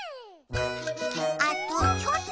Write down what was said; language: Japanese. あとちょっと。